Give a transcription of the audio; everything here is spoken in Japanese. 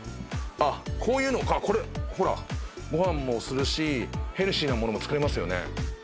こういうの、ご飯も炊けるし、ヘルシーなものも作れますよね。